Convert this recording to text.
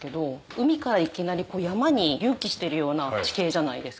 海からいきなり山に隆起してるような地形じゃないですか。